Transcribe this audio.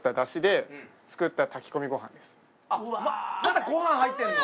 まだご飯入ってるの？